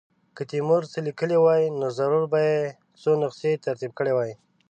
که تیمور څه لیکلي وای نو ضرور به یې څو نسخې ترتیب کړې وای.